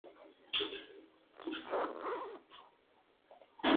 Mientras se encontraba allí, se unió a una producción musical llamada "Miss Saigon".